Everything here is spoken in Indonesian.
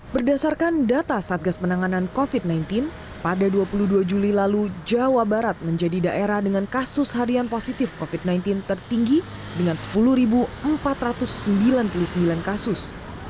berdasarkan data satgas penanganan covid sembilan belas pada dua puluh dua juli lalu jawa barat menjadi daerah dengan kasus harian positif covid sembilan belas tertinggi dengan sepuluh empat ratus sembilan puluh sembilan kasus